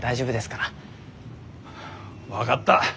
分がった。